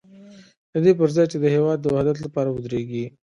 د دې پر ځای چې د هېواد د وحدت لپاره ودرېږي.